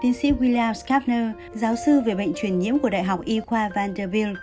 tiến sĩ william schaffner giáo sư về bệnh truyền nhiễm của đại học y khoa vanderbilt